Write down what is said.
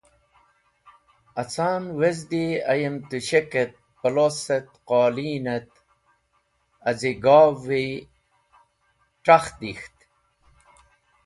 Aca’n wezdi ayem tushek et ploss et qolin et az̃igo’vi t̃ak̃h dek̃hti.